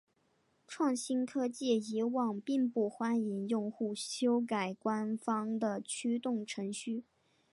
创新科技以往并不欢迎用户修改官方的驱动程序。